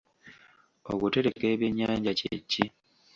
Okutereka ebyennyanja kye ki?